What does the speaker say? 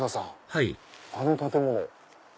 はいあの建物。